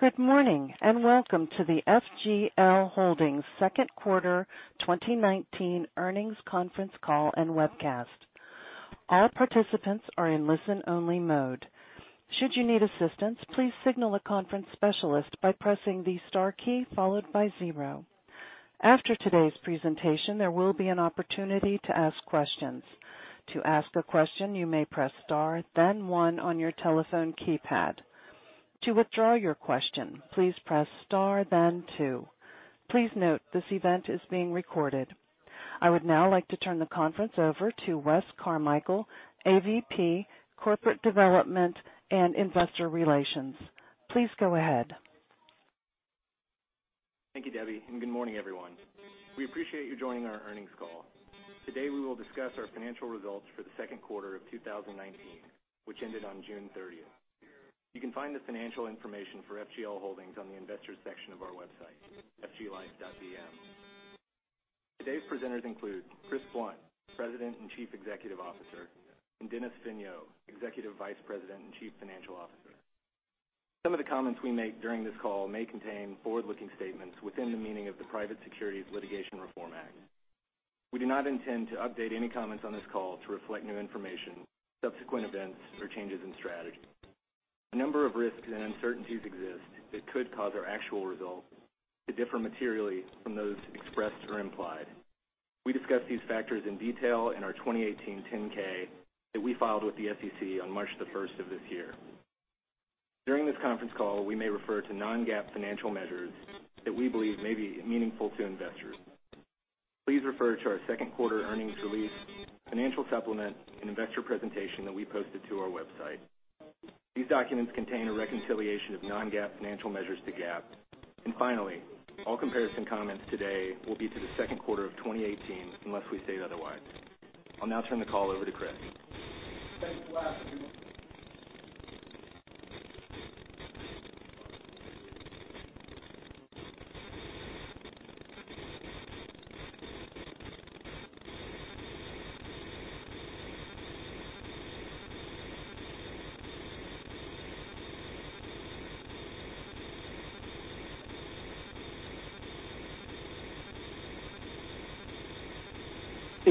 Good morning, welcome to the FGL Holdings second quarter 2019 earnings conference call and webcast. All participants are in listen-only mode. Should you need assistance, please signal a conference specialist by pressing the star key followed by 0. After today's presentation, there will be an opportunity to ask questions. To ask a question, you may press star then 1 on your telephone keypad. To withdraw your question, please press star then 2. Please note this event is being recorded. I would now like to turn the conference over to Wes Carmichael, AVP, Corporate Development and Investor Relations. Please go ahead. Thank you, Debbie, good morning, everyone. We appreciate you joining our earnings call. Today we will discuss our financial results for the second quarter of 2019, which ended on June 30th. You can find the financial information for FGL Holdings on the investors section of our website, fglife.bm. Today's presenters include Chris Blunt, President and Chief Executive Officer, Dennis Vigneau, Executive Vice President and Chief Financial Officer. Some of the comments we make during this call may contain forward-looking statements within the meaning of the Private Securities Litigation Reform Act. We do not intend to update any comments on this call to reflect new information, subsequent events, or changes in strategy. A number of risks and uncertainties exist that could cause our actual results to differ materially from those expressed or implied. We discussed these factors in detail in our 2018 10-K that we filed with the SEC on March 1st of this year. During this conference call, we may refer to non-GAAP financial measures that we believe may be meaningful to investors. Please refer to our second quarter earnings release, financial supplement, and investor presentation that we posted to our website. These documents contain a reconciliation of non-GAAP financial measures to GAAP. Finally, all comparison comments today will be to the second quarter of 2018, unless we state otherwise. I'll now turn the call over to Chris. Thanks, Wes. Everyone-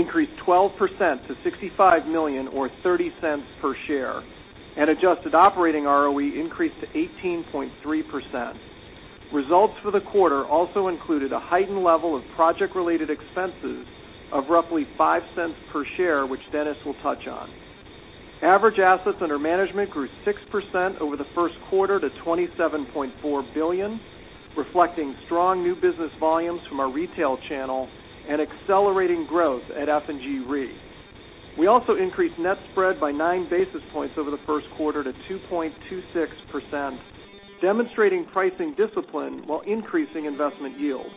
increased 12% to $65 million or $0.30 per share, adjusted operating ROE increased to 18.3%. Results for the quarter also included a heightened level of project-related expenses of roughly $0.05 per share, which Dennis will touch on. Average assets under management grew 6% over the first quarter to $27.4 billion, reflecting strong new business volumes from our retail channel and accelerating growth at F&G Re. We also increased net spread by nine basis points over the first quarter to 2.26%, demonstrating pricing discipline while increasing investment yield.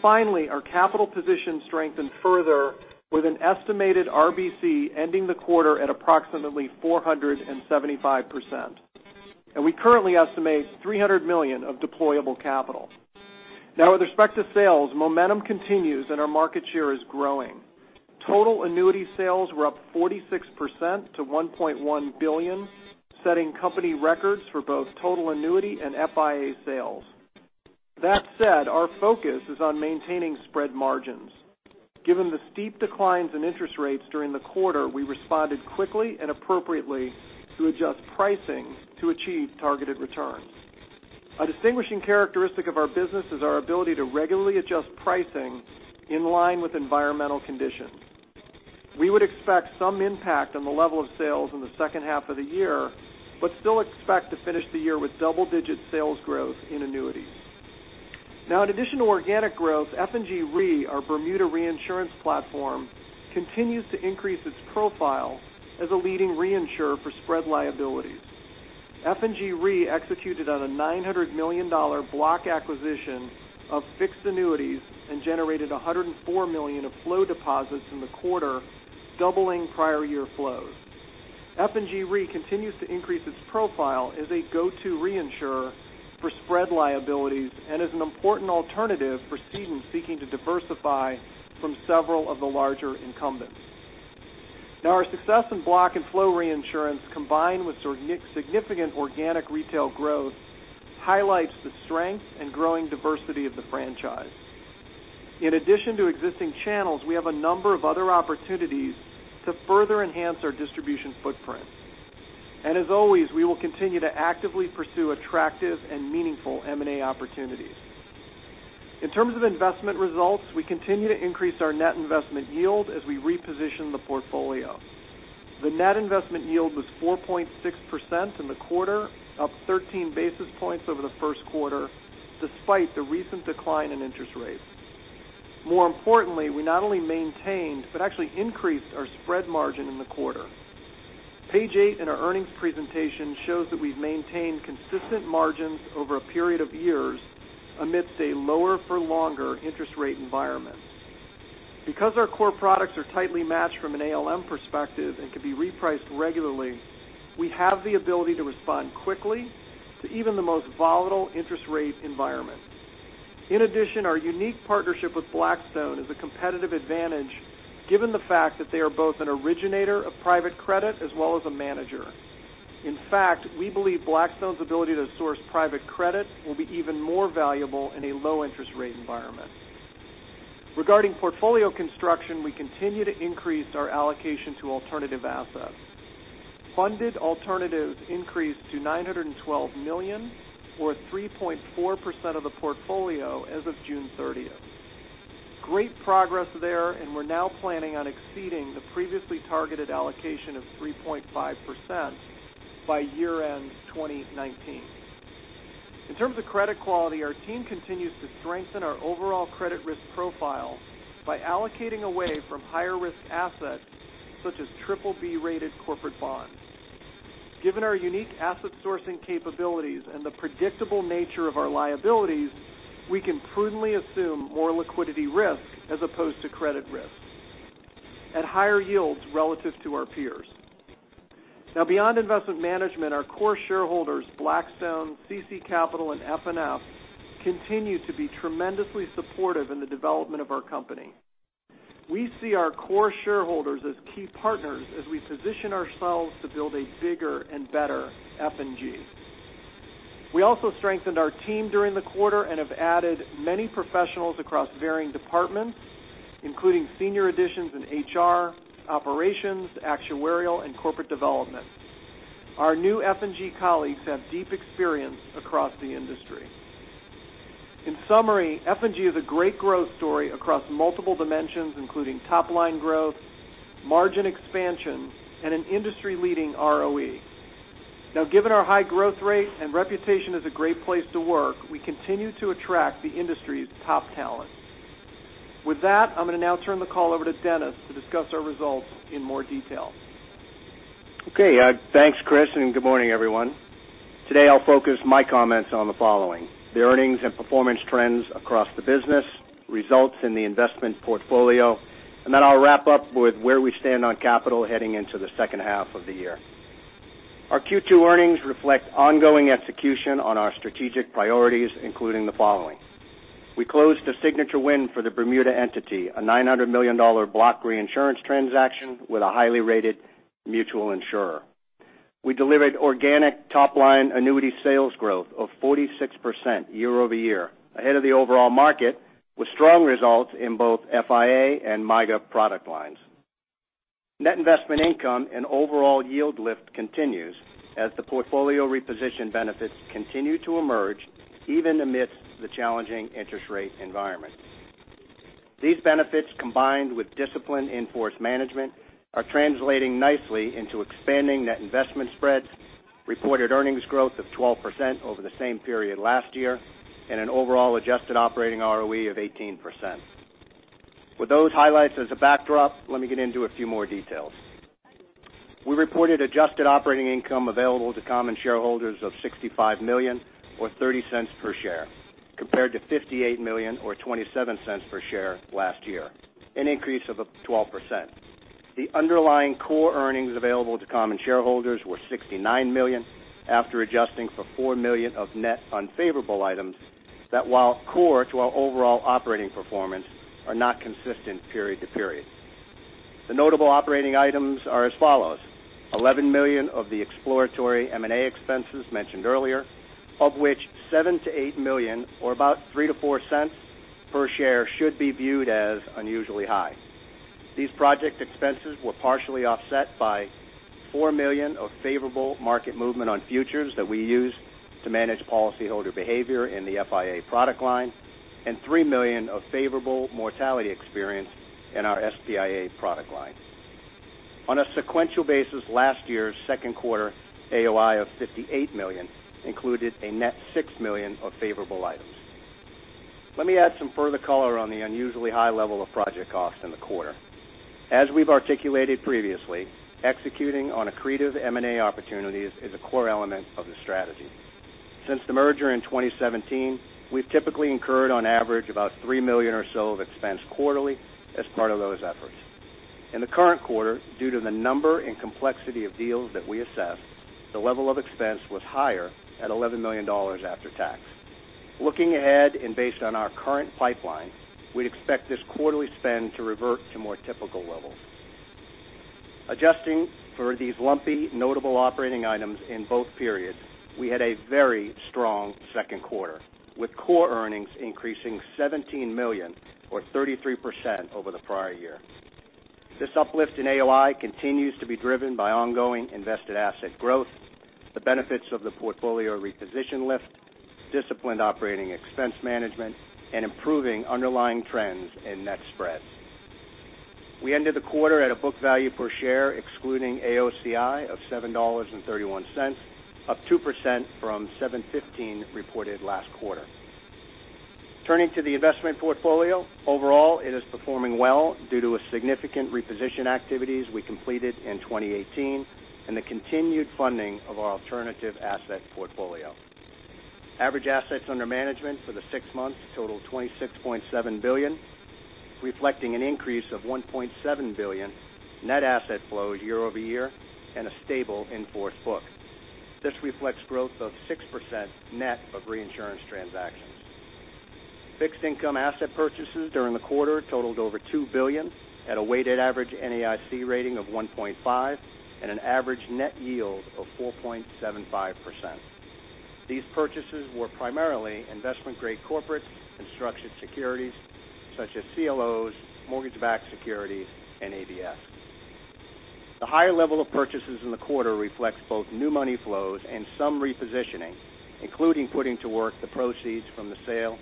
Finally, our capital position strengthened further with an estimated RBC ending the quarter at approximately 475%. We currently estimate $300 million of deployable capital. Now with respect to sales, momentum continues and our market share is growing. Total annuity sales were up 46% to $1.1 billion, setting company records for both total annuity and FIA sales. That said, our focus is on maintaining spread margins. Given the steep declines in interest rates during the quarter, we responded quickly and appropriately to adjust pricing to achieve targeted returns. A distinguishing characteristic of our business is our ability to regularly adjust pricing in line with environmental conditions. We would expect some impact on the level of sales in the second half of the year, but still expect to finish the year with double-digit sales growth in annuities. F&G Re, our Bermuda reinsurance platform, continues to increase its profile as a leading reinsurer for spread liabilities. F&G Re executed on a $900 million block acquisition of fixed annuities and generated $104 million of flow deposits in the quarter, doubling prior year flows. F&G Re continues to increase its profile as a go-to reinsurer for spread liabilities and is an important alternative for cedents seeking to diversify from several of the larger incumbents. Our success in block and flow reinsurance, combined with significant organic retail growth, highlights the strength and growing diversity of the franchise. In addition to existing channels, we have a number of other opportunities to further enhance our distribution footprint. As always, we will continue to actively pursue attractive and meaningful M&A opportunities. In terms of investment results, we continue to increase our net investment yield as we reposition the portfolio. The net investment yield was 4.6% in the quarter, up 13 basis points over the first quarter, despite the recent decline in interest rates. More importantly, we not only maintained but actually increased our spread margin in the quarter. Page eight in our earnings presentation shows that we've maintained consistent margins over a period of years amidst a lower-for-longer interest rate environment. Because our core products are tightly matched from an ALM perspective and can be repriced regularly, we have the ability to respond quickly to even the most volatile interest rate environment. In addition, our unique partnership with Blackstone is a competitive advantage given the fact that they are both an originator of private credit as well as a manager. In fact, we believe Blackstone's ability to source private credit will be even more valuable in a low-interest rate environment. Regarding portfolio construction, we continue to increase our allocation to alternative assets. Funded alternatives increased to $912 million or 3.4% of the portfolio as of June 30th. Great progress there, and we're now planning on exceeding the previously targeted allocation of 3.5% by year-end 2019. In terms of credit quality, our team continues to strengthen our overall credit risk profile by allocating away from higher-risk assets such as BBB-rated corporate bonds. Given our unique asset sourcing capabilities and the predictable nature of our liabilities, we can prudently assume more liquidity risk as opposed to credit risk at higher yields relative to our peers. Beyond investment management, our core shareholders, Blackstone, CC Capital, and F&G continue to be tremendously supportive in the development of our company. We see our core shareholders as key partners as we position ourselves to build a bigger and better F&G. We also strengthened our team during the quarter and have added many professionals across varying departments, including senior additions in HR, operations, actuarial, and corporate development. Our new F&G colleagues have deep experience across the industry. In summary, F&G is a great growth story across multiple dimensions, including top-line growth, margin expansion, and an industry-leading ROE. Given our high growth rate and reputation as a great place to work, we continue to attract the industry's top talent. With that, I'm going to now turn the call over to Dennis to discuss our results in more detail. Thanks, Chris, and good morning, everyone. Today, I'll focus my comments on the following: the earnings and performance trends across the business, results in the investment portfolio, then I'll wrap up with where we stand on capital heading into the second half of the year. Our Q2 earnings reflect ongoing execution on our strategic priorities, including the following. We closed a signature win for the Bermuda entity, a $900 million block reinsurance transaction with a highly rated mutual insurer. We delivered organic top-line annuity sales growth of 46% year-over-year, ahead of the overall market, with strong results in both FIA and MYGA product lines. Net investment income and overall yield lift continues as the portfolio reposition benefits continue to emerge even amidst the challenging interest rate environment. These benefits, combined with discipline in force management, are translating nicely into expanding net investment spreads, reported earnings growth of 12% over the same period last year, and an overall adjusted operating ROE of 18%. With those highlights as a backdrop, let me get into a few more details. We reported adjusted operating income available to common shareholders of $65 million or $0.30 per share, compared to $58 million or $0.27 per share last year, an increase of 12%. The underlying core earnings available to common shareholders were $69 million after adjusting for $4 million of net unfavorable items that while core to our overall operating performance are not consistent period to period. The notable operating items are as follows: $11 million of the exploratory M&A expenses mentioned earlier, of which $7 million-$8 million or about $0.03-$0.04 per share should be viewed as unusually high. These project expenses were partially offset by $4 million of favorable market movement on futures that we use to manage policyholder behavior in the FIA product line and $3 million of favorable mortality experience in our SPIA product line. On a sequential basis, last year's second quarter AOI of $58 million included a net $6 million of favorable items. Let me add some further color on the unusually high level of project costs in the quarter. As we've articulated previously, executing on accretive M&A opportunities is a core element of the strategy. Since the merger in 2017, we've typically incurred on average about $3 million or so of expense quarterly as part of those efforts. In the current quarter, due to the number and complexity of deals that we assessed, the level of expense was higher at $11 million after tax. Looking ahead, based on our current pipeline, we'd expect this quarterly spend to revert to more typical levels. Adjusting for these lumpy notable operating items in both periods, we had a very strong second quarter, with core earnings increasing $17 million or 33% over the prior year. This uplift in AOI continues to be driven by ongoing invested asset growth, the benefits of the portfolio reposition lift, disciplined operating expense management, and improving underlying trends in net spreads. We ended the quarter at a book value per share excluding AOCI of $7.31, up 2% from $7.15 reported last quarter. Turning to the investment portfolio. Overall, it is performing well due to significant reposition activities we completed in 2018 and the continued funding of our alternative asset portfolio. Average assets under management for the six months totaled $26.7 billion. Reflecting an increase of $1.7 billion net asset flow year-over-year and a stable in-force book. This reflects growth of 6% net of reinsurance transactions. Fixed income asset purchases during the quarter totaled over $2 billion at a weighted average NAIC rating of 1.5 and an average net yield of 4.75%. These purchases were primarily investment-grade corporate constructed securities such as CLOs, mortgage-backed securities, and ABS. The higher level of purchases in the quarter reflects both new money flows and some repositioning, including putting to work the proceeds from the sale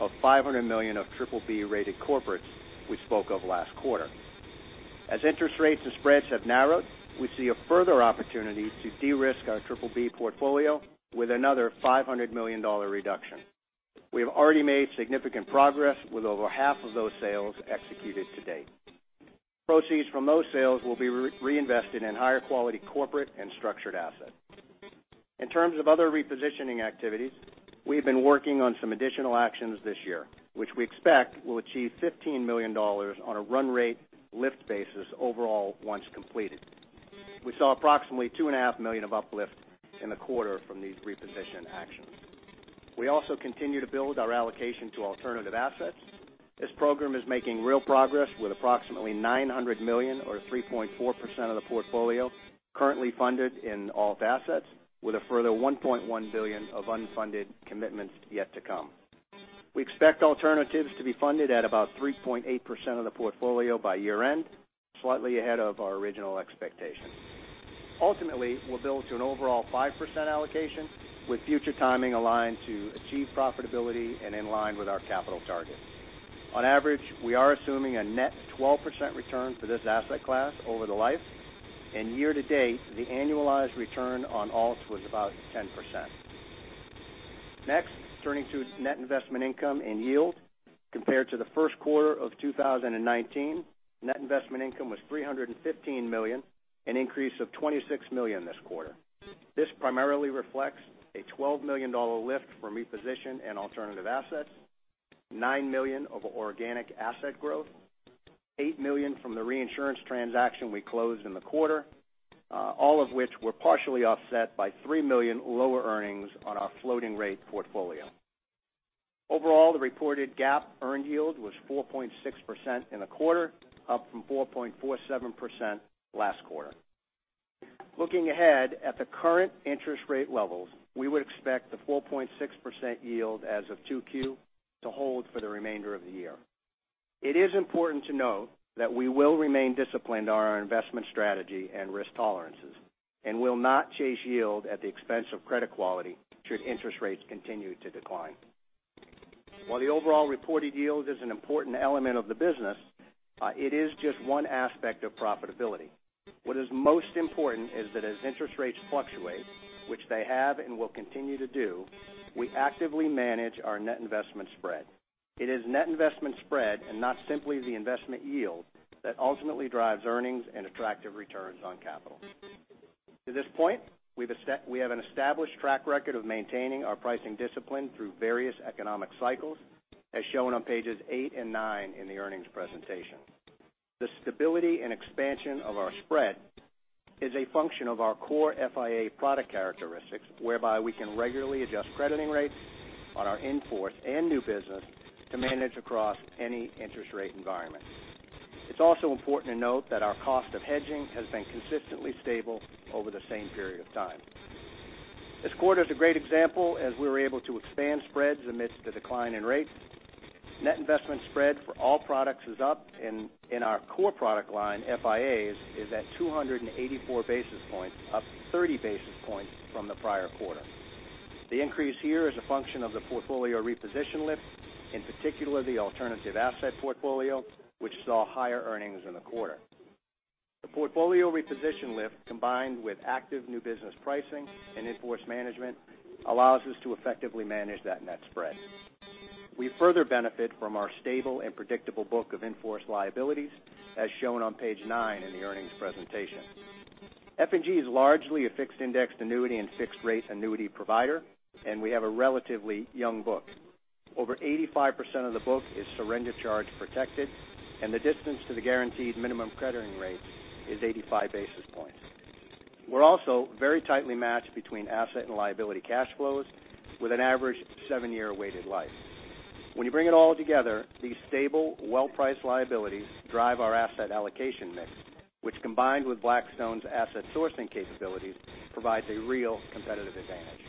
of $500 million of BBB-rated corporates we spoke of last quarter. As interest rates and spreads have narrowed, we see a further opportunity to de-risk our BBB portfolio with another $500 million reduction. We have already made significant progress with over half of those sales executed to date. Proceeds from those sales will be reinvested in higher quality corporate and structured assets. In terms of other repositioning activities, we've been working on some additional actions this year, which we expect will achieve $15 million on a run rate lift basis overall once completed. We saw approximately two and a half million of uplift in the quarter from these reposition actions. We also continue to build our allocation to alternative assets. This program is making real progress with approximately $900 million or 3.4% of the portfolio currently funded in alt assets with a further $1.1 billion of unfunded commitments yet to come. We expect alternatives to be funded at about 3.8% of the portfolio by year-end, slightly ahead of our original expectation. Ultimately, we'll build to an overall 5% allocation with future timing aligned to achieve profitability and in line with our capital target. On average, we are assuming a net 12% return for this asset class over the life, and year-to-date, the annualized return on alts was about 10%. Next, turning to net investment income and yield. Compared to the first quarter of 2019, net investment income was $315 million, an increase of $26 million this quarter. This primarily reflects a $12 million lift from repositioned and alternative assets, $9 million of organic asset growth, $8 million from the reinsurance transaction we closed in the quarter, all of which were partially offset by $3 million lower earnings on our floating rate portfolio. Overall, the reported GAAP earned yield was 4.6% in the quarter, up from 4.47% last quarter. Looking ahead at the current interest rate levels, we would expect the 4.6% yield as of 2Q to hold for the remainder of the year. It is important to note that we will remain disciplined on our investment strategy and risk tolerances and will not chase yield at the expense of credit quality should interest rates continue to decline. While the overall reported yield is an important element of the business, it is just one aspect of profitability. What is most important is that as interest rates fluctuate, which they have and will continue to do, we actively manage our net investment spread. It is net investment spread and not simply the investment yield that ultimately drives earnings and attractive returns on capital. To this point, we have an established track record of maintaining our pricing discipline through various economic cycles, as shown on pages eight and nine in the earnings presentation. The stability and expansion of our spread is a function of our core FIA product characteristics, whereby we can regularly adjust crediting rates on our in-force and new business to manage across any interest rate environment. It's also important to note that our cost of hedging has been consistently stable over the same period of time. This quarter is a great example as we were able to expand spreads amidst the decline in rates. Net investment spread for all products is up and in our core product line, FIAs is at 284 basis points, up 30 basis points from the prior quarter. The increase here is a function of the portfolio reposition lift, in particular the alternative asset portfolio, which saw higher earnings in the quarter. The portfolio reposition lift, combined with active new business pricing and in-force management, allows us to effectively manage that net spread. We further benefit from our stable and predictable book of in-force liabilities, as shown on page nine in the earnings presentation. F&G is largely a fixed indexed annuity and fixed rate annuity provider, and we have a relatively young book. Over 85% of the book is surrender charge protected, and the distance to the guaranteed minimum crediting rate is 85 basis points. We're also very tightly matched between asset and liability cash flows with an average seven-year weighted life. When you bring it all together, these stable, well-priced liabilities drive our asset allocation mix, which combined with Blackstone's asset sourcing capabilities, provides a real competitive advantage.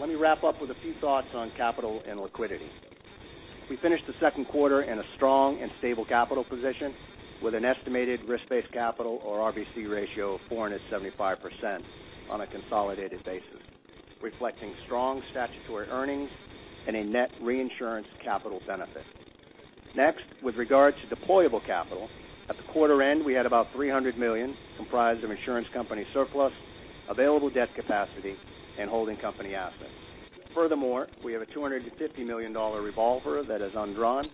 Let me wrap up with a few thoughts on capital and liquidity. We finished the second quarter in a strong and stable capital position with an estimated risk-based capital or RBC ratio of 475% on a consolidated basis, reflecting strong statutory earnings and a net reinsurance capital benefit. Next, with regard to deployable capital, at the quarter end, we had about $300 million comprised of insurance company surplus, available debt capacity, and holding company assets. Furthermore, we have a $250 million revolver that is undrawn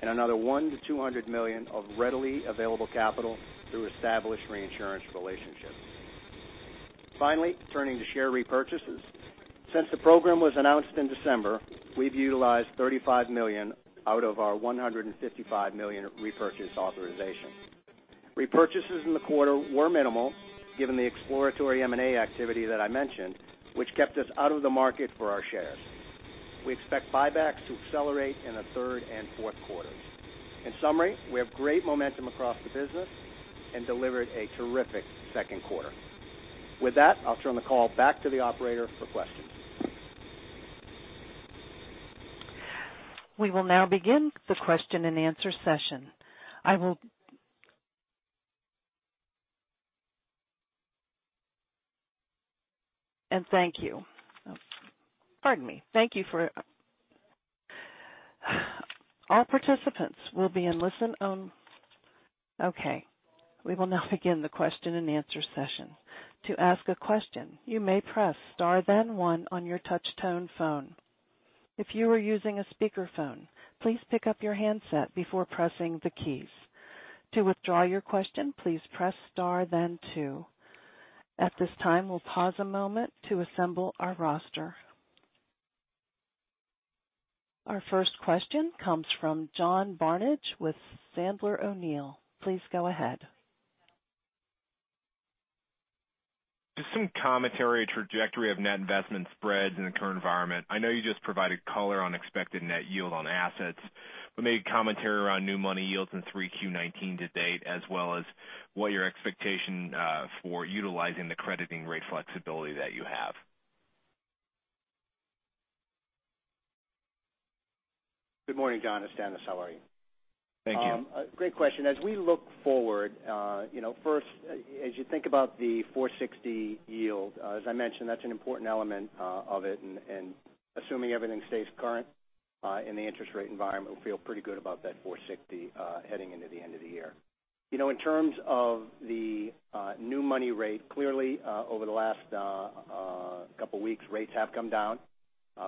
and another $1 million-$200 million of readily available capital through established reinsurance relationships. Finally, turning to share repurchases. Since the program was announced in December, we've utilized $35 million out of our $155 million repurchase authorization. Repurchases in the quarter were minimal given the exploratory M&A activity that I mentioned, which kept us out of the market for our shares. We expect buybacks to accelerate in the third and fourth quarters. In summary, we have great momentum across the business and delivered a terrific second quarter. With that, I'll turn the call back to the operator for questions. We will now begin the question and answer session. Thank you. Pardon me. All participants will be in listen-on. Okay, we will now begin the question and answer session. To ask a question, you may press star then one on your touch tone phone. If you are using a speakerphone, please pick up your handset before pressing the keys. To withdraw your question, please press star then two. At this time, we'll pause a moment to assemble our roster. Our first question comes from John Barnidge with Sandler O'Neill. Please go ahead. Just some commentary trajectory of net investment spreads in the current environment. I know you just provided color on expected net yield on assets, but maybe commentary around new money yields in 3Q19 to date, as well as what your expectation for utilizing the crediting rate flexibility that you have. Good morning, John. It's Dennis. How are you? Thank you. Great question. As we look forward, first, as you think about the 460 yield, as I mentioned, that's an important element of it, and assuming everything stays current in the interest rate environment, we feel pretty good about that 460 heading into the end of the year. In terms of the new money rate, clearly over the last couple of weeks, rates have come down.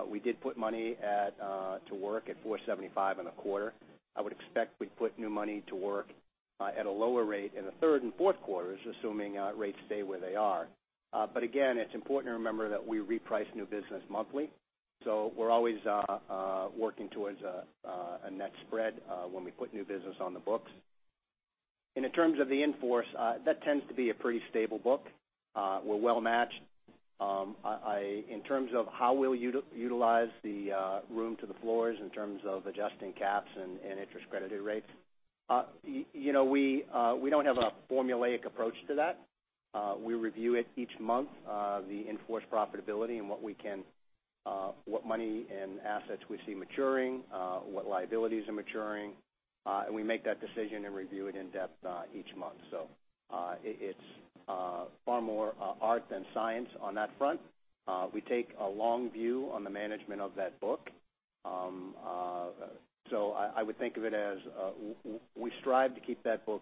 We did put money to work at 475 in the quarter. I would expect we'd put new money to work at a lower rate in the third and fourth quarters, assuming rates stay where they are. Again, it's important to remember that we reprice new business monthly. We're always working towards a net spread when we put new business on the books. In terms of the in-force, that tends to be a pretty stable book. We're well matched. In terms of how we'll utilize the room to the floors in terms of adjusting caps and interest credited rates, we don't have a formulaic approach to that. We review it each month, the in-force profitability and what money and assets we see maturing, what liabilities are maturing, and we make that decision and review it in depth each month. It's far more art than science on that front. We take a long view on the management of that book. I would think of it as we strive to keep that book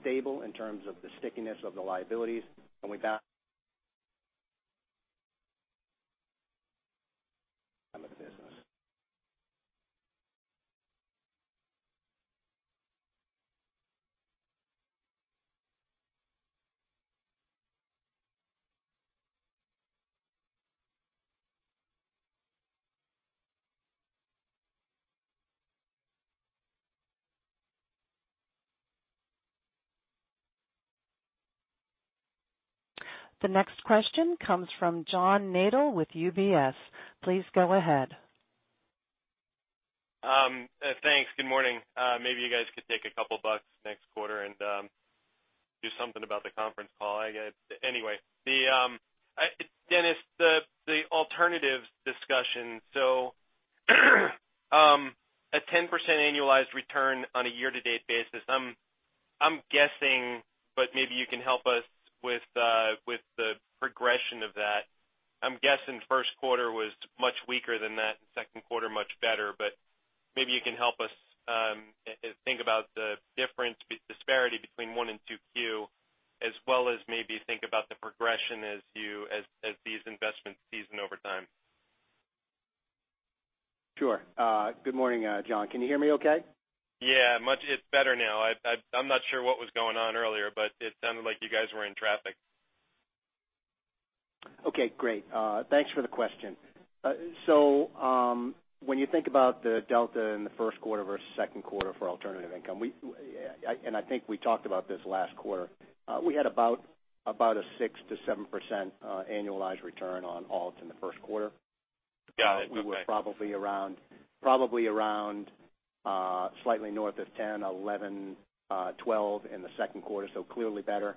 stable in terms of the stickiness of the liabilities. The next question comes from John Nadel with UBS. Please go ahead. Thanks. Good morning. Maybe you guys could take a couple bucks next quarter and do something about the conference call. Anyway. Dennis, the alternatives discussion. A 10% annualized return on a year-to-date basis. I'm guessing, but maybe you can help us with the progression of that. I'm guessing first quarter was much weaker than that, second quarter much better. Maybe you can help us think about the difference, disparity between one and 2Q, as well as maybe think about the progression as these investments season over time. Sure. Good morning, John. Can you hear me okay? Yeah, it's better now. I'm not sure what was going on earlier, but it sounded like you guys were in traffic. Okay, great. Thanks for the question. When you think about the delta in the first quarter versus second quarter for alternative income, and I think we talked about this last quarter, we had about a 6%-7% annualized return on alts in the first quarter. Got it. Okay. We were probably around slightly north of 10%, 11%, 12% in the second quarter, clearly better.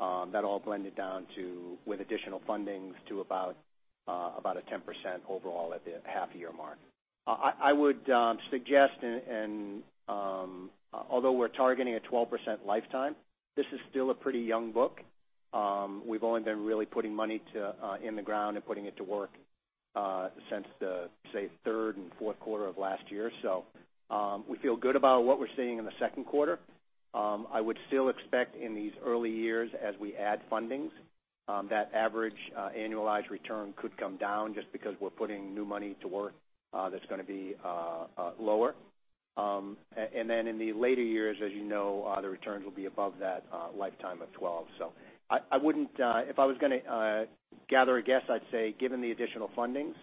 That all blended down with additional fundings to about a 10% overall at the half-year mark. I would suggest, and although we're targeting a 12% lifetime, this is still a pretty young book. We've only been really putting money in the ground and putting it to work since the, say, third and fourth quarter of last year. We feel good about what we're seeing in the second quarter. I would still expect in these early years as we add fundings, that average annualized return could come down just because we're putting new money to work that's going to be lower. In the later years, as you know, the returns will be above that lifetime of 12%. If I was going to gather a guess, I'd say given the additional fundings,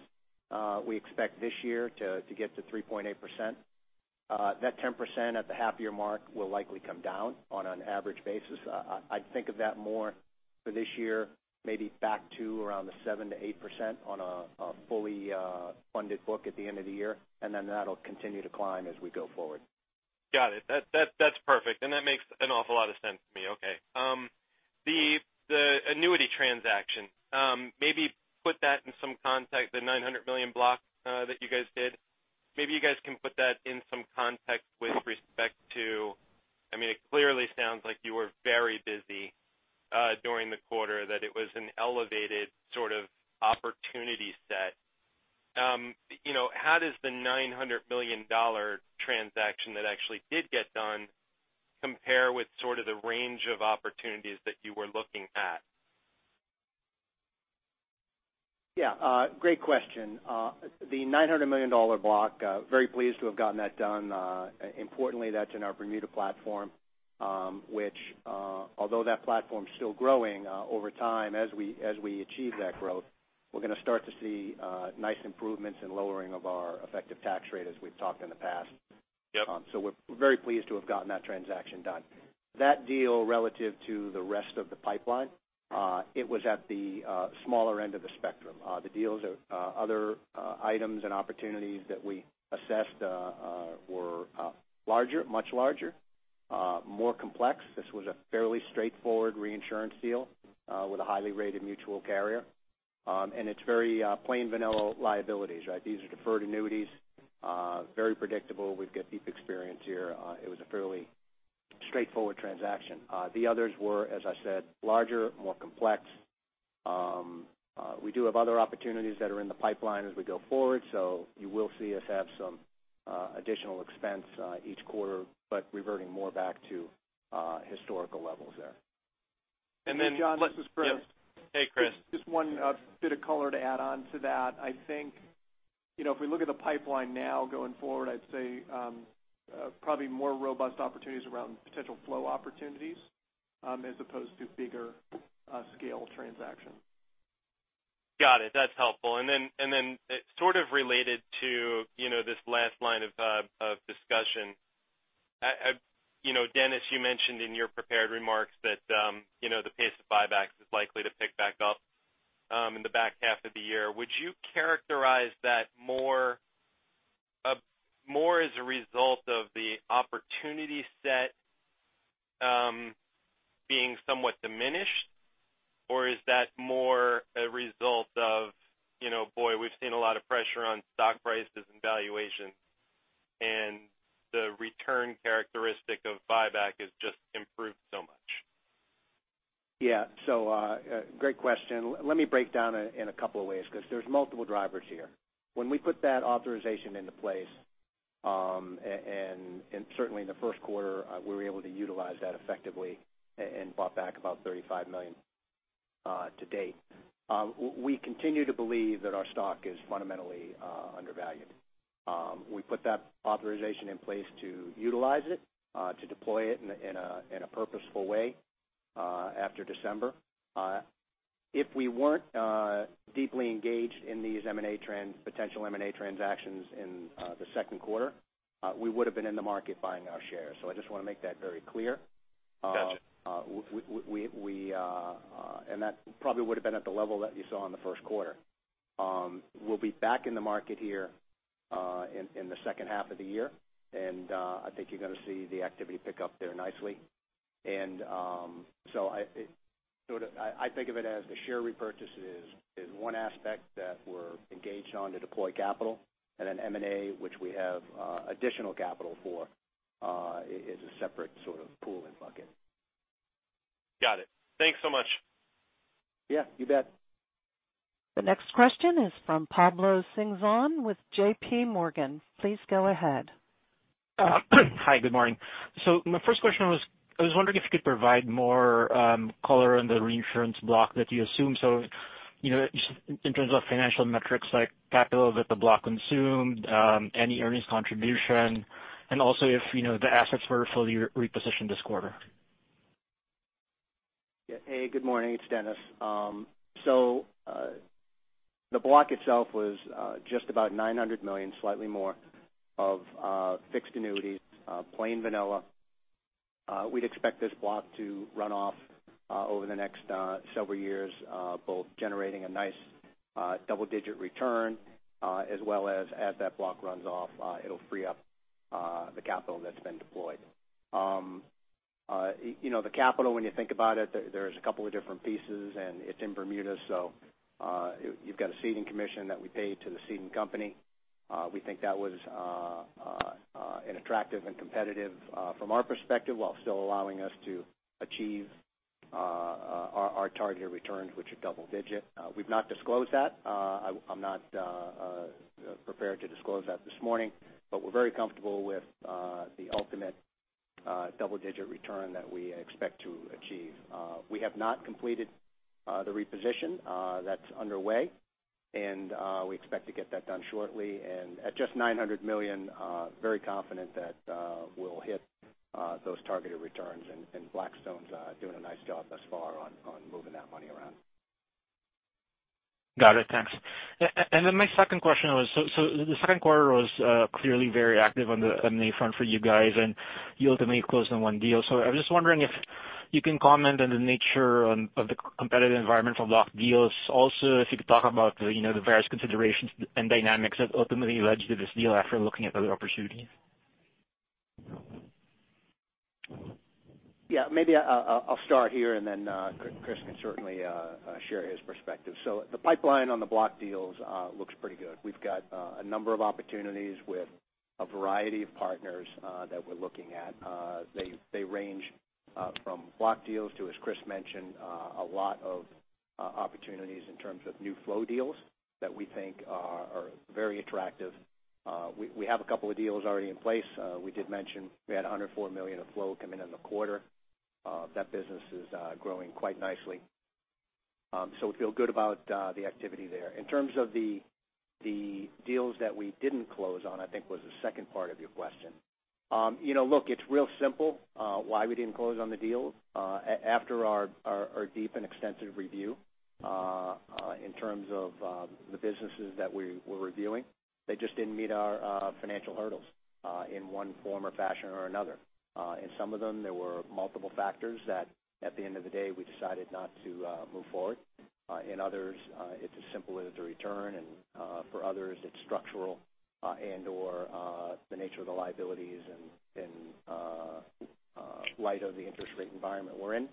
we expect this year to get to 3.8%. That 10% at the half-year mark will likely come down on an average basis. I'd think of that more for this year, maybe back to around the 7%-8% on a fully funded book at the end of the year, that'll continue to climb as we go forward. Got it. That's perfect. That makes an awful lot of sense to me. Okay. The annuity transaction, maybe put that in some context, the $900 million block that you guys did. Maybe you guys can put that in some context with respect to, it clearly sounds like you were very busy during the quarter, that it was an elevated sort of opportunity set. How does the $900 million transaction that actually did get done compare with sort of the range of opportunities that you were looking at? Yeah. Great question. The $900 million block, very pleased to have gotten that done. Importantly, that's in our Bermuda platform, which although that platform's still growing over time as we achieve that growth, we're going to start to see nice improvements in lowering of our effective tax rate as we've talked in the past. Yep. We're very pleased to have gotten that transaction done. That deal relative to the rest of the pipeline, it was at the smaller end of the spectrum. The deals of other items and opportunities that we assessed were larger, much larger, more complex. This was a fairly straightforward reinsurance deal with a highly rated mutual carrier. It's very plain vanilla liabilities, right? These are deferred annuities, very predictable. We've got deep experience here. It was a fairly straightforward transaction. The others were, as I said, larger, more complex. You will see us have some additional expense each quarter, but reverting more back to historical levels there. And then- Hey, John, this is Chris. Hey, Chris. Just one bit of color to add on to that. I think, if we look at the pipeline now going forward, I'd say probably more robust opportunities around potential flow opportunities as opposed to bigger scale transactions. Got it. That's helpful. Then sort of related to this last line of discussion. Dennis, you mentioned in your prepared remarks that the pace of buybacks is likely to pick back up in the back half of the year. Would you characterize that more as a result of the opportunity set being somewhat diminished, or is that more a result of, boy, we've seen a lot of pressure on stock prices and valuation, and the return characteristic of buyback has just improved so much? Yeah. Great question. Let me break down in a couple of ways, because there's multiple drivers here. When we put that authorization into place, and certainly in the first quarter, we were able to utilize that effectively and bought back about $35 million to date. We continue to believe that our stock is fundamentally undervalued. We put that authorization in place to utilize it, to deploy it in a purposeful way after December. If we weren't deeply engaged in these potential M&A transactions in the second quarter, we would've been in the market buying our shares. I just want to make that very clear. Gotcha. That probably would've been at the level that you saw in the first quarter. We'll be back in the market here in the second half of the year, and I think you're going to see the activity pick up there nicely. I think of it as the share repurchase is one aspect that we're engaged on to deploy capital, and then M&A, which we have additional capital for is a separate sort of pool and bucket. Got it. Thanks so much. Yeah, you bet. The next question is from Pablo Singzon with J.P. Morgan. Please go ahead. Hi, good morning. My first question was I was wondering if you could provide more color on the reinsurance block that you assume. In terms of financial metrics like capital that the block consumed, any earnings contribution, and also if the assets were fully repositioned this quarter. Hey, good morning. It's Dennis. The block itself was just about $900 million, slightly more of fixed annuities, plain vanilla. We'd expect this block to run off over the next several years, both generating a nice double-digit return as well as that block runs off it'll free up the capital that's been deployed. The capital, when you think about it, there's a couple of different pieces, and it's in Bermuda, you've got a ceding commission that we pay to the ceding company. We think that was an attractive and competitive from our perspective, while still allowing us to achieve our target returns, which are double-digit. We've not disclosed that. I'm not prepared to disclose that this morning, but we're very comfortable with the ultimate double-digit return that we expect to achieve. We have not completed the reposition. That's underway, and we expect to get that done shortly. At just $900 million, very confident that we'll hit those targeted returns. Blackstone's doing a nice job thus far on moving that money around. Got it. Thanks. My second question was, the second quarter was clearly very active on the M&A front for you guys, and you ultimately closed on one deal. I was just wondering if you can comment on the nature of the competitive environment for block deals. Also, if you could talk about the various considerations and dynamics that ultimately led you to this deal after looking at other opportunities. Yeah. Maybe I'll start here, then Chris can certainly share his perspective. The pipeline on the block deals looks pretty good. We've got a number of opportunities with a variety of partners that we're looking at. They range from block deals to, as Chris mentioned, a lot of opportunities in terms of new flow deals that we think are very attractive. We have a couple of deals already in place. We did mention we had $104 million of flow come in in the quarter. That business is growing quite nicely. We feel good about the activity there. In terms of the deals that we didn't close on, I think was the second part of your question. Look, it's real simple why we didn't close on the deals. After our deep and extensive review, in terms of the businesses that we were reviewing, they just didn't meet our financial hurdles in one form or fashion or another. In some of them, there were multiple factors that at the end of the day, we decided not to move forward. In others, it's as simple as the return, and for others, it's structural and/or the nature of the liabilities in light of the interest rate environment we're in.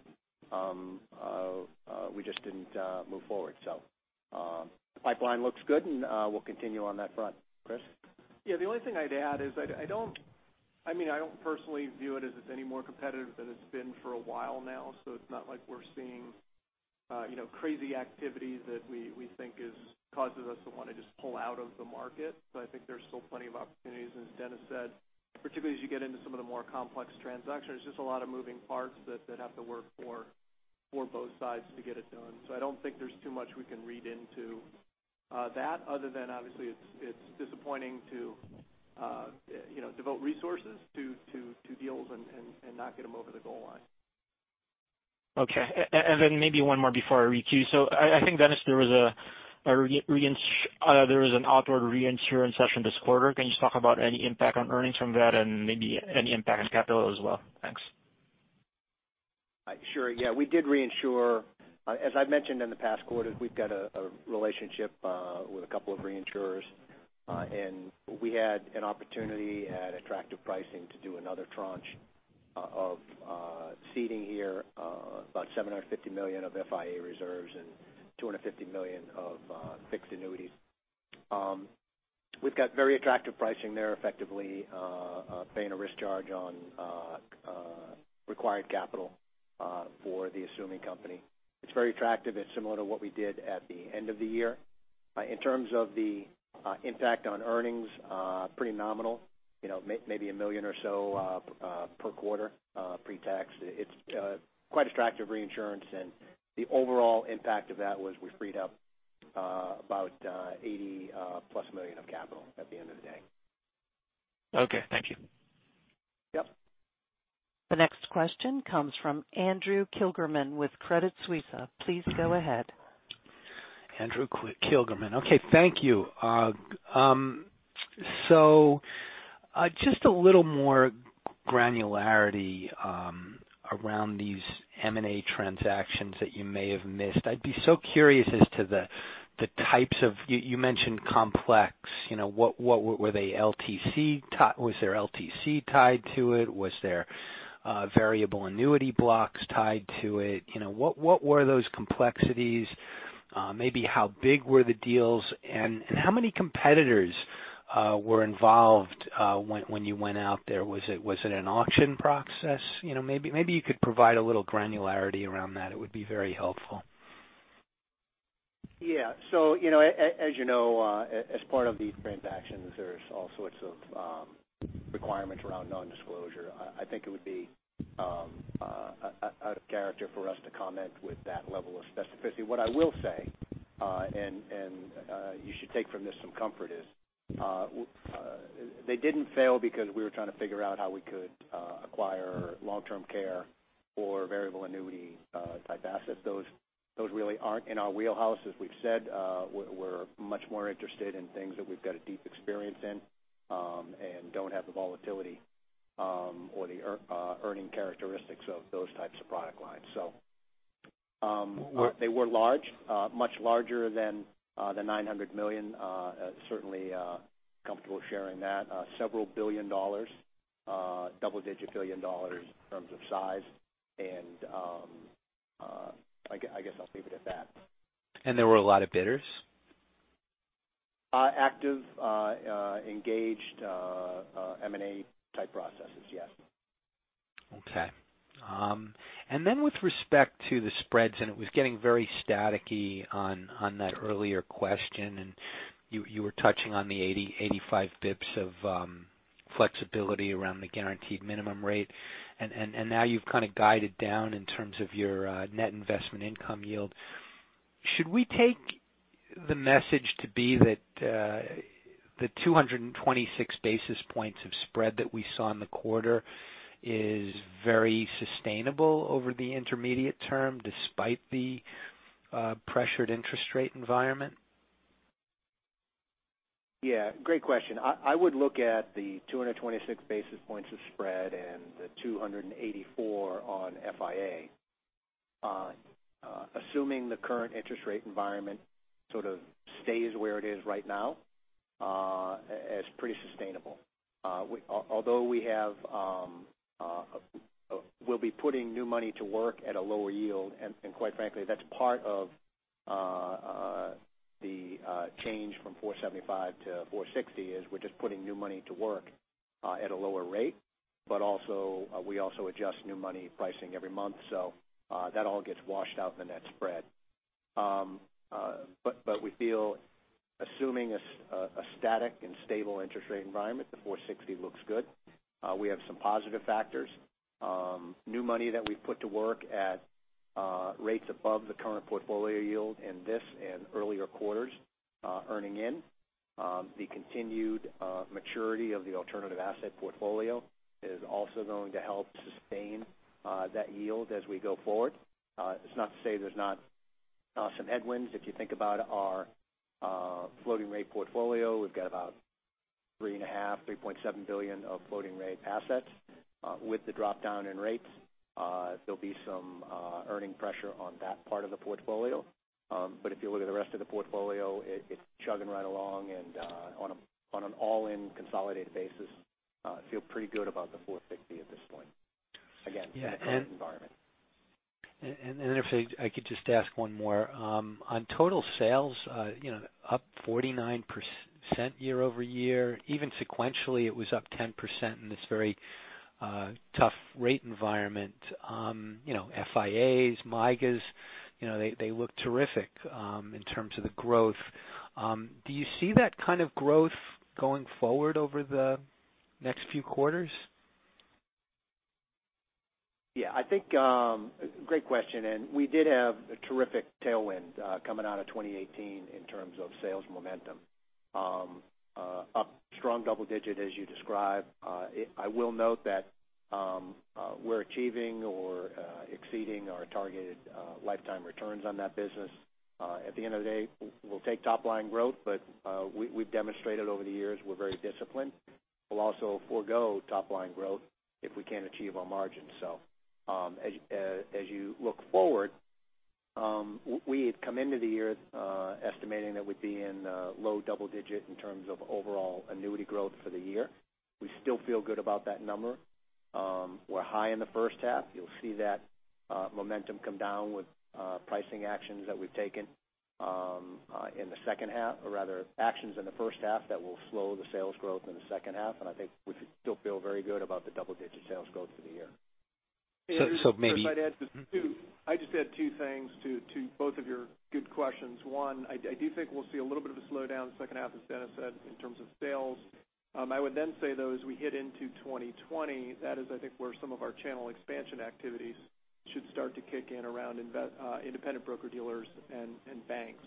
We just didn't move forward. The pipeline looks good, and we'll continue on that front. Chris? Yeah. The only thing I'd add is I don't personally view it as it's any more competitive than it's been for a while now. It's not like we're seeing crazy activity that we think causes us to want to just pull out of the market. I think there's still plenty of opportunities, as Dennis said, particularly as you get into some of the more complex transactions. There's just a lot of moving parts that have to work for both sides to get it done. I don't think there's too much we can read into that other than obviously it's disappointing to devote resources to deals and not get them over the goal line. Okay. Maybe one more before I re-queue. I think, Dennis, there was an outward reinsurance session this quarter. Can you just talk about any impact on earnings from that and maybe any impact on capital as well? Thanks. Sure. We did reinsure. As I've mentioned in the past quarters, we've got a relationship with a couple of reinsurers. We had an opportunity at attractive pricing to do another tranche of ceding here, about $750 million of FIA reserves and $250 million of fixed annuities. We've got very attractive pricing there, effectively paying a risk charge on required capital for the assuming company. It's very attractive. It's similar to what we did at the end of the year. In terms of the impact on earnings, pretty nominal. Maybe $1 million or so per quarter pre-tax. It's quite attractive reinsurance, and the overall impact of that was we freed up about $80-plus million of capital at the end of the day. Okay. Thank you. Yep. The next question comes from Andrew Kligerman with Credit Suisse. Please go ahead. Andrew Kligerman. Okay. Thank you. Just a little more granularity around these M&A transactions that you may have missed. I'd be so curious as to the types of, you mentioned complex. Were they LTC? Was there LTC tied to it? Was there variable annuity blocks tied to it? What were those complexities? Maybe how big were the deals, and how many competitors were involved when you went out there? Was it an auction process? Maybe you could provide a little granularity around that. It would be very helpful. Yeah. As you know, as part of these transactions, there's all sorts of requirements around non-disclosure. I think it would be out of character for us to comment with that level of specificity. What I will say, and you should take from this some comfort, is they didn't fail because we were trying to figure out how we could acquire long-term care or variable annuity type assets. Those really aren't in our wheelhouse. As we've said, we're much more interested in things that we've got a deep experience in and don't have the volatility or the earning characteristics of those types of product lines. They were large, much larger than the $900 million. Certainly comfortable sharing that. Several billion dollars, double-digit billion dollars in terms of size, and I guess I'll leave it at that. There were a lot of bidders? Active, engaged M&A type processes. Yes. Okay. With respect to the spreads, and it was getting very staticky on that earlier question, and you were touching on the 80, 85 basis points of flexibility around the guaranteed minimum rate. Now you've kind of guided down in terms of your net investment income yield. Should we take the message to be that the 226 basis points of spread that we saw in the quarter is very sustainable over the intermediate term, despite the pressured interest rate environment? Yeah, great question. I would look at the 226 basis points of spread and the 284 on FIA. Assuming the current interest rate environment sort of stays where it is right now, as pretty sustainable. Although we'll be putting new money to work at a lower yield, and quite frankly, that's part of the change from 475 to 460 is we're just putting new money to work at a lower rate. We also adjust new money pricing every month, so that all gets washed out in the net spread. We feel assuming a static and stable interest rate environment, the 460 looks good. We have some positive factors. New money that we've put to work at rates above the current portfolio yield in this and earlier quarters earning in. The continued maturity of the alternative asset portfolio is also going to help sustain that yield as we go forward. It's not to say there's not some headwinds. If you think about our floating rate portfolio, we've got about $3.5 billion-$3.7 billion of floating rate assets. With the drop-down in rates, there'll be some earning pressure on that part of the portfolio. If you look at the rest of the portfolio, it's chugging right along and on an all-in consolidated basis, feel pretty good about the 460 at this point. Again, in the current environment. If I could just ask one more. On total sales, up 49% year-over-year. Even sequentially, it was up 10% in this very tough rate environment. FIAs, MYGAs, they look terrific in terms of the growth. Do you see that kind of growth going forward over the next few quarters? Yeah, great question. We did have a terrific tailwind coming out of 2018 in terms of sales momentum. Up strong double digit as you describe. I will note that we're achieving or exceeding our targeted lifetime returns on that business. At the end of the day, we'll take top line growth, we've demonstrated over the years we're very disciplined. We'll also forego top line growth if we can't achieve our margins. As you look forward, we had come into the year estimating that we'd be in low double digit in terms of overall annuity growth for the year. We still feel good about that number. We're high in the first half. You'll see that momentum come down with pricing actions that we've taken in the second half, or rather actions in the first half that will slow the sales growth in the second half. I think we should still feel very good about the double-digit sales growth for the year. So maybe- If I might add just two. I'd just add two things to both of your good questions. One, I do think we'll see a little bit of a slowdown second half, as Dennis said, in terms of sales. I would then say, though, as we head into 2020, that is, I think where some of our channel expansion activities should start to kick in around independent broker-dealers and banks.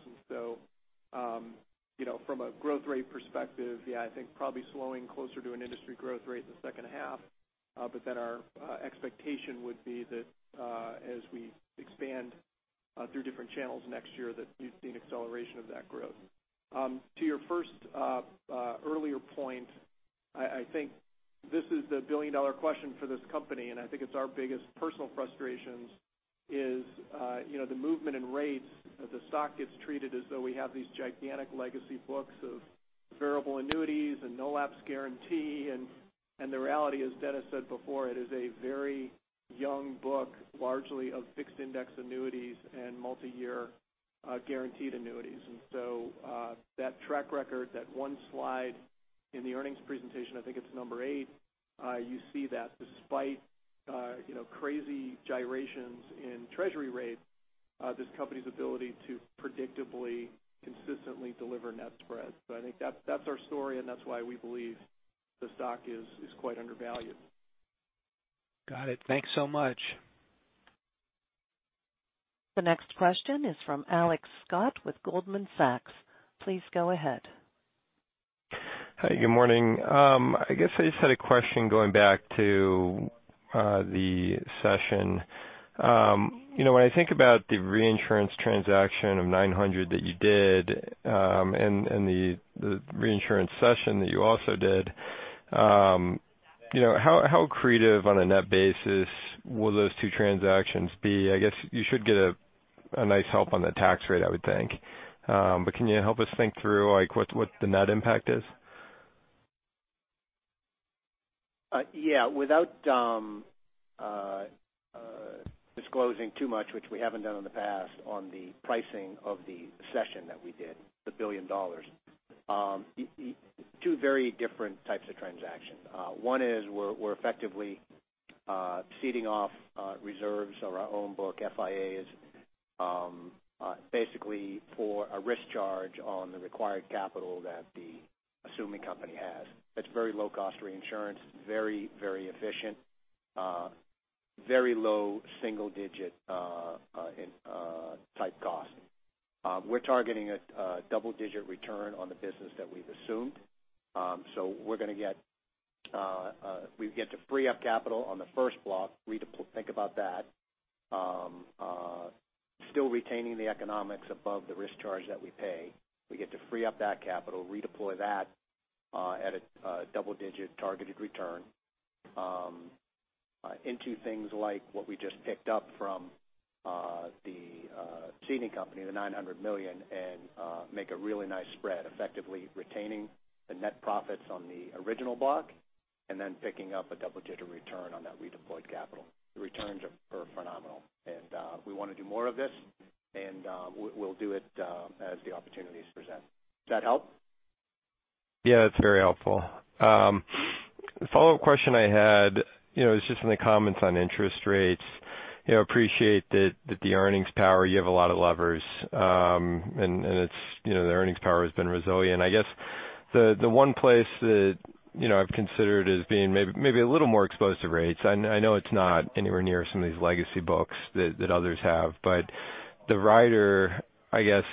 From a growth rate perspective, yeah, I think probably slowing closer to an industry growth rate in the second half. Our expectation would be that as we expand through different channels next year, that we'd see an acceleration of that growth. To your first earlier point, I think this is the billion-dollar question for this company, and I think it's our biggest personal frustrations is the movement in rates as the stock gets treated as though we have these gigantic legacy books of variable annuities and no-lapse guarantee. The reality, as Dennis said before, it is a very young book, largely of fixed index annuities and multi-year guaranteed annuities. That track record, that one slide in the earnings presentation, I think it's number eight you see that despite crazy gyrations in Treasury rate this company's ability to predictably, consistently deliver net spreads. I think that's our story, and that's why we believe the stock is quite undervalued. Got it. Thanks so much. The next question is from Alex Scott with Goldman Sachs. Please go ahead. Hi, good morning. I guess I just had a question going back to the cession. When I think about the reinsurance transaction of $900 that you did and the reinsurance cession that you also did how accretive on a net basis will those two transactions be? I guess you should get a nice help on the tax rate, I would think. Can you help us think through what the net impact is? Yeah. Disclosing too much, which we haven't done in the past on the pricing of the cession that we did, the $1 billion. Two very different types of transactions. One is we're effectively ceding off reserves or our own book FIAs, basically for a risk charge on the required capital that the assuming company has. It's very low-cost reinsurance, very efficient, very low single-digit type cost. We're targeting a double-digit return on the business that we've assumed. We get to free up capital on the first block, think about that, still retaining the economics above the risk charge that we pay. We get to free up that capital, redeploy that at a double-digit targeted return into things like what we just picked up from the ceding company, the $900 million, and make a really nice spread, effectively retaining the net profits on the original block, and then picking up a double-digit return on that redeployed capital. The returns are phenomenal. We want to do more of this, and we'll do it as the opportunities present. Does that help? Yeah, that's very helpful. The follow-up question I had is just on the comments on interest rates. Appreciate that the earnings power, you have a lot of levers, and the earnings power has been resilient. I guess the one place that I've considered as being maybe a little more exposed to rates, I know it's not anywhere near some of these legacy books that others have. The rider, I guess,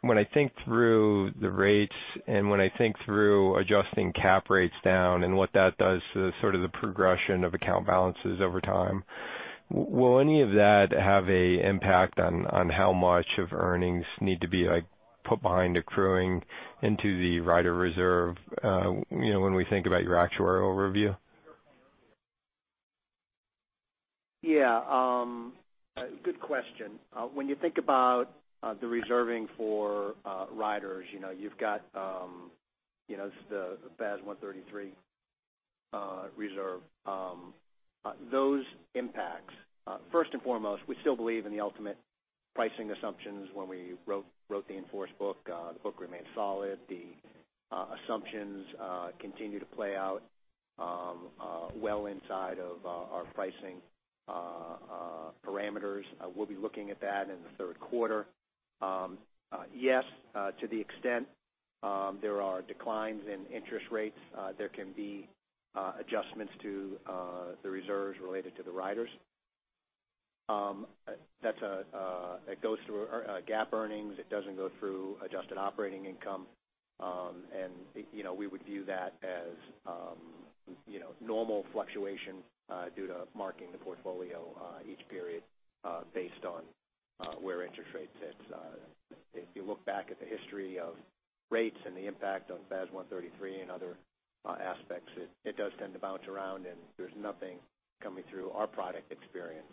when I think through the rates and when I think through adjusting cap rates down and what that does to sort of the progression of account balances over time, will any of that have an impact on how much of earnings need to be put behind accruing into the rider reserve when we think about your actuarial review? Yeah. Good question. When you think about the reserving for riders, you've got just the FAS 133 reserve. Those impacts. First and foremost, we still believe in the ultimate pricing assumptions when we wrote the in-force book. The book remains solid. The assumptions continue to play out well inside of our pricing parameters. We'll be looking at that in the third quarter. Yes, to the extent there are declines in interest rates, there can be adjustments to the reserves related to the riders. It goes through our GAAP earnings. It doesn't go through adjusted operating income. We would view that as normal fluctuation due to marking the portfolio each period based on where interest rates sit. If you look back at the history of rates and the impact on FAS 133 and other aspects, it does tend to bounce around, and there's nothing coming through our product experience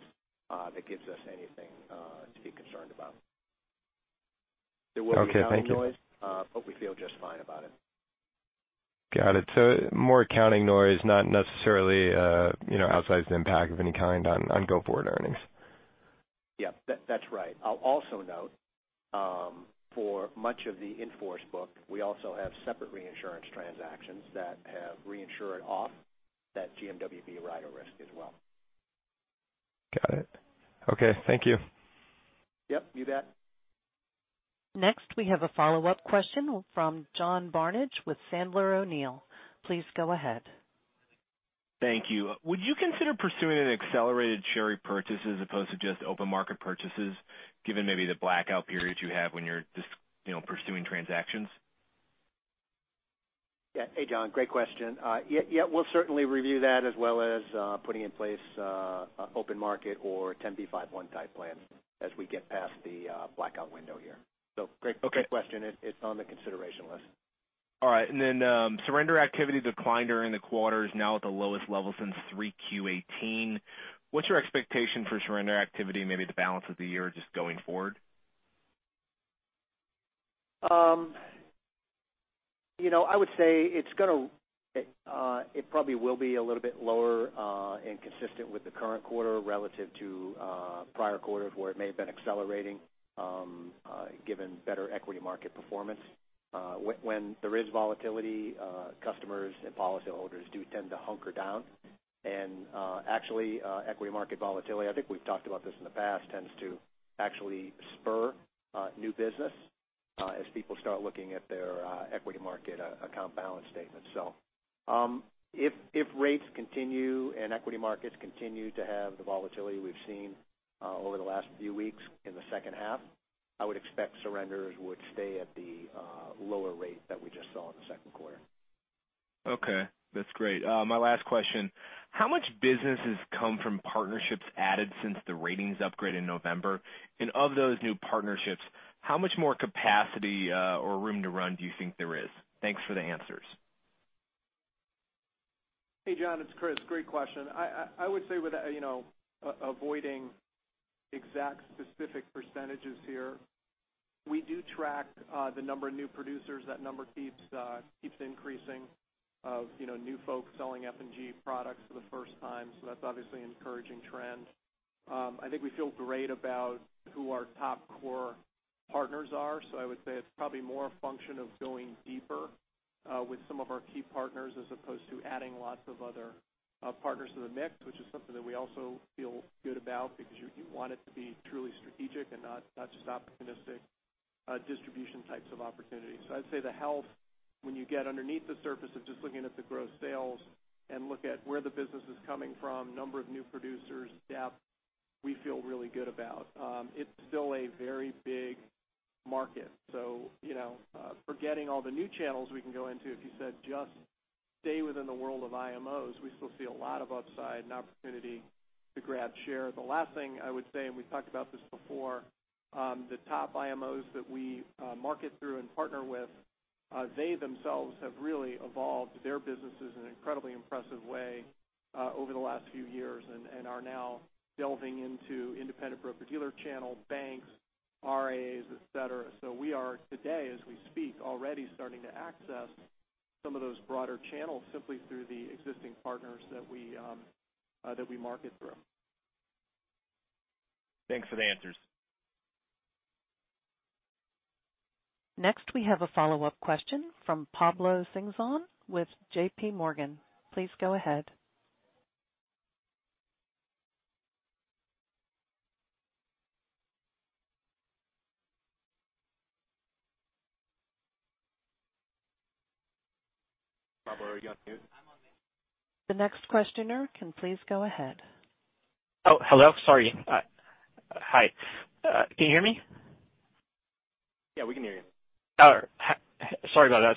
that gives us anything to be concerned about. Okay. Thank you. There will be accounting noise, we feel just fine about it. Got it. More accounting noise, not necessarily outsized impact of any kind on go-forward earnings. Yeah, that's right. I'll also note, for much of the in-force book, we also have separate reinsurance transactions that have reinsured off that GMWB rider risk as well. Got it. Okay. Thank you. Yep, you bet. Next, we have a follow-up question from John Barnidge with Sandler O'Neill. Please go ahead. Thank you. Would you consider pursuing an accelerated share repurchase as opposed to just open market purchases, given maybe the blackout periods you have when you're pursuing transactions? Hey, John. Great question. We'll certainly review that as well as putting in place open market or 10b5-1 type plans as we get past the blackout window here. Great question. Okay. It's on the consideration list. All right. Surrender activity declined during the quarter, is now at the lowest level since 3Q18. What's your expectation for surrender activity, maybe the balance of the year just going forward? I would say it probably will be a little bit lower and consistent with the current quarter relative to prior quarters where it may have been accelerating given better equity market performance. When there is volatility, customers and policyholders do tend to hunker down. Actually, equity market volatility, I think we've talked about this in the past, tends to actually spur new business as people start looking at their equity market account balance statements. If rates continue and equity markets continue to have the volatility we've seen over the last few weeks in the second half, I would expect surrenders would stay at the lower rate that we just saw in the second quarter. Okay. That's great. My last question, how much business has come from partnerships added since the ratings upgrade in November? Of those new partnerships, how much more capacity or room to run do you think there is? Thanks for the answers. Hey, John, it's Chris. Great question. I would say, avoiding exact specific percentages here. We do track the number of new producers. That number keeps increasing of new folks selling F&G products for the first time. That's obviously an encouraging trend. I think we feel great about who our top core partners are. I would say it's probably more a function of going deeper with some of our key partners as opposed to adding lots of other partners to the mix, which is something that we also feel good about because you want it to be truly strategic and not just opportunistic distribution types of opportunities. I'd say the health, when you get underneath the surface of just looking at the gross sales and look at where the business is coming from, number of new producers, depth, we feel really good about. It's still a very big market. Forgetting all the new channels we can go into, if you said just stay within the world of IMOs, we still see a lot of upside and opportunity to grab share. The last thing I would say, we've talked about this before, the top IMOs that we market through and partner with, they themselves have really evolved their businesses in an incredibly impressive way over the last few years and are now delving into independent broker-dealer channel banks, RIAs, et cetera. We are today, as we speak, already starting to access some of those broader channels simply through the existing partners that we market through. Thanks for the answers. Next, we have a follow-up question from Pablo Singzon with J.P. Morgan. Please go ahead. Pablo, are you on mute? I'm on mute. The next questioner can please go ahead. Oh, hello. Sorry. Hi. Can you hear me? Yeah, we can hear you. All right. Sorry about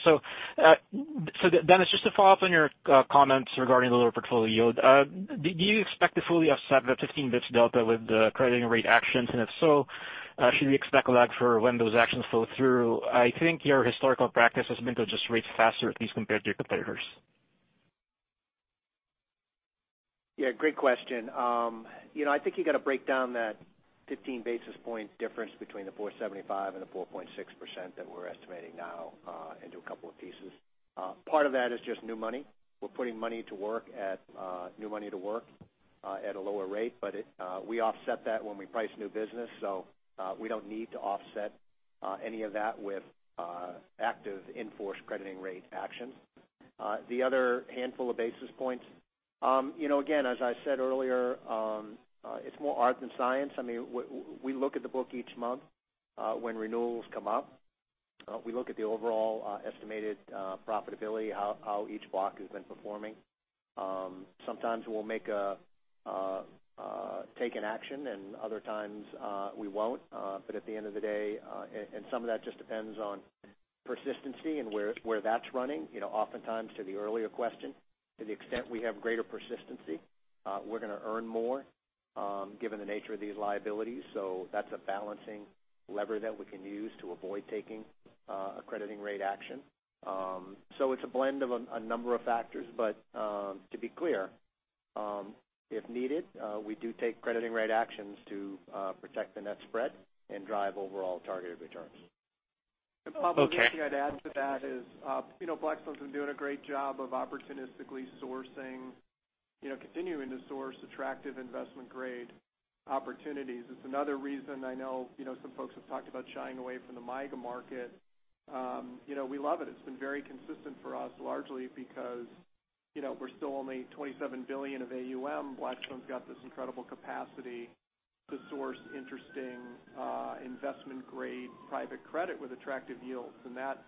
that. Dennis, just to follow up on your comments regarding the lower portfolio yield. Do you expect to fully offset the 15 basis points delta with the crediting rate actions? If so, should we expect a lag for when those actions flow through? I think your historical practice has been to adjust rates faster, at least compared to your competitors. Yeah, great question. I think you got to break down that 15 basis points difference between the 4.75% and the 4.6% that we're estimating now into a couple of pieces. Part of that is just new money. We're putting new money to work at a lower rate. We offset that when we price new business, so we don't need to offset any of that with active in-force crediting rate action. The other handful of basis points, again, as I said earlier it's more art than science. We look at the book each month when renewals come up. We look at the overall estimated profitability, how each block has been performing. Sometimes we'll take an action, and other times we won't. At the end of the day, and some of that just depends on persistency and where that's running. Oftentimes to the earlier question, to the extent we have greater persistency we're going to earn more given the nature of these liabilities. That's a balancing lever that we can use to avoid taking a crediting rate action. It's a blend of a number of factors, but to be clear if needed we do take crediting rate actions to protect the net spread and drive overall targeted returns. Okay. Pablo, the only thing I'd add to that is Blackstone's been doing a great job of opportunistically sourcing, continuing to source attractive investment-grade opportunities. It's another reason I know some folks have talked about shying away from the MYGA market. We love it. It's been very consistent for us, largely because we're still only $27 billion of AUM. Blackstone's got this incredible capacity to source interesting investment-grade private credit with attractive yields, and that,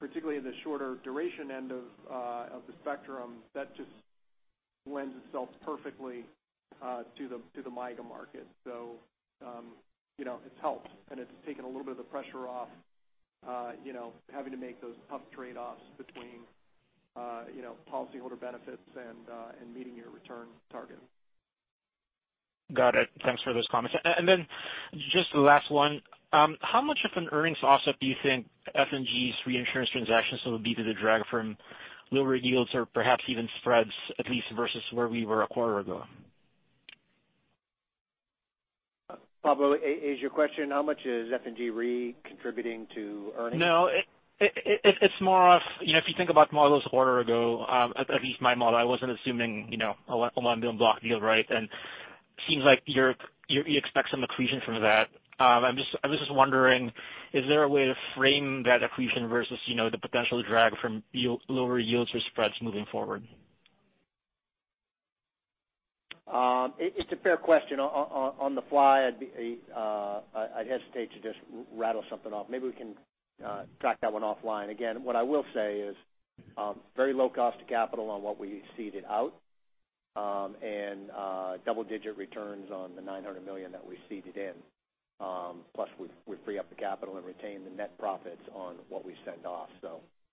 particularly in the shorter duration end of the spectrum, that just lends itself perfectly to the MYGA market. It's helped, and it's taken a little bit of the pressure off having to make those tough trade-offs between policyholder benefits and meeting your return target. Got it. Thanks for those comments. Just the last one how much of an earnings offset do you think F&G's reinsurance transactions will be to the drag from lower yields or perhaps even spreads, at least versus where we were a quarter ago? Pablo, is your question how much is F&G Re contributing to earnings? It's more if you think about the model a quarter ago, at least my model, I wasn't assuming a $100 million block deal. Right? It seems like you expect some accretion from that. I was just wondering, is there a way to frame that accretion versus the potential drag from lower yields or spreads moving forward? It's a fair question. On the fly, I'd hesitate to just rattle something off. Maybe we can track that one offline. What I will say is very low cost of capital on what we ceded out and double-digit returns on the $900 million that we ceded in. Plus, we free up the capital and retain the net profits on what we send off.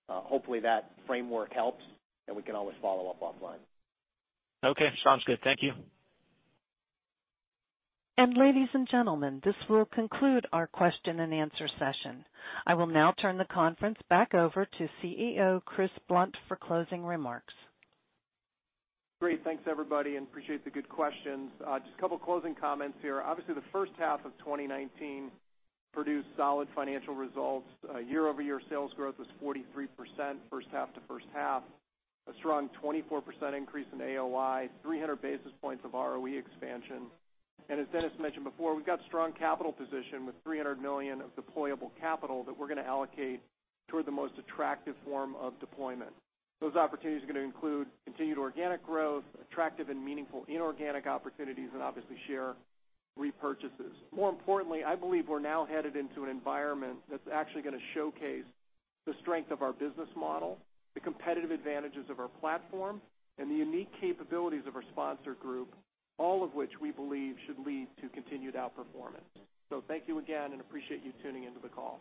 Hopefully that framework helps, and we can always follow up offline. Okay, sounds good. Thank you. Ladies and gentlemen, this will conclude our question-and-answer session. I will now turn the conference back over to CEO Chris Blunt for closing remarks. Great. Thanks, everybody, and appreciate the good questions. Just a couple of closing comments here. Obviously, the first half of 2019 produced solid financial results. Year-over-year sales growth was 43% first half to first half, a strong 24% increase in AOI, 300 basis points of ROE expansion. As Dennis mentioned before, we've got strong capital position with $300 million of deployable capital that we're going to allocate toward the most attractive form of deployment. Those opportunities are going to include continued organic growth, attractive and meaningful inorganic opportunities, and obviously share repurchases. More importantly, I believe we're now headed into an environment that's actually going to showcase the strength of our business model, the competitive advantages of our platform, and the unique capabilities of our sponsor group, all of which we believe should lead to continued outperformance. Thank you again, and appreciate you tuning into the call.